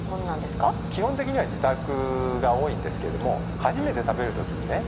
基本的には自宅が多いんですけれども初めて食べるときにね